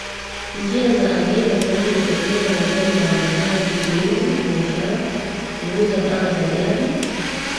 Njia za ajira zinazojitokeza miongoni mwa Wamasai ni kilimo biashara kuuza dawa za jadi